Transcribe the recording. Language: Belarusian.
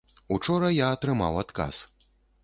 Учора я атрымаў адказ.